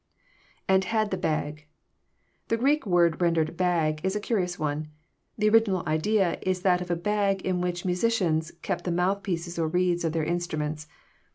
lAnd had the bag.'] The Greek word rendered " bag " is a curious one. The original idea is that of a bag in which musicians kept the mouthpieces or reeds of their instruments.